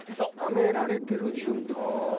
ナメられてる順って事か。